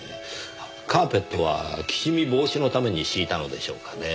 カーペットはきしみ防止のために敷いたのでしょうかね？